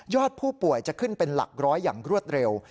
ผู้ป่วยจะขึ้นเป็นหลักร้อยอย่างรวดเร็ว